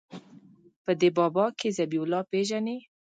په ده بابا کښې ذبيح الله پېژنې.